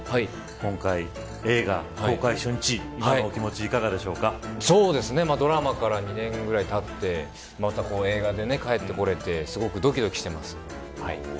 今回、映画公開初日ドラマから２年くらいたってまた映画で帰ってこれてすごくどきどきしています。